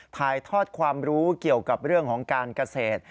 ถ่ายทอดความรู้เกี่ยวกับเรื่องของการเกษตร